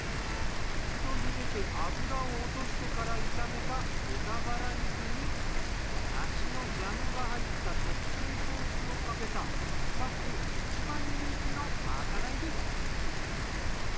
一度茹でて脂を落としてから炒めた豚バラ肉に梨のジャムが入った特製ソースをかけたスタッフ一番人気のまかないです。